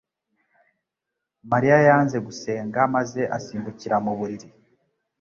Mariya yanze gusenga maze asimbukira mu buriri